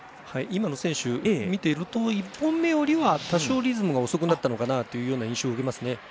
今の選手を見ていると１本目よりは多少リズムが遅くなったのかなというような印象を受けますね。